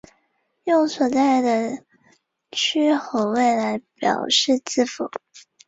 芦莉草属又名双翅爵床属是爵床科下的一个属。